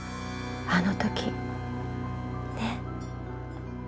あの時。ね？